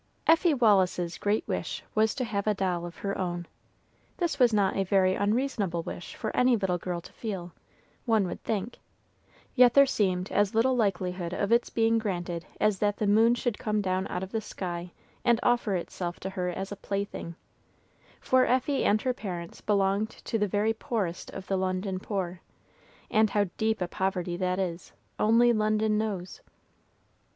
Effie Wallis's great wish was to have a doll of her own. This was not a very unreasonable wish for any little girl to feel, one would think, yet there seemed as little likelihood of its being granted as that the moon should come down out of the sky and offer itself to her as a plaything; for Effie and her parents belonged to the very poorest of the London poor, and how deep a poverty that is, only London knows.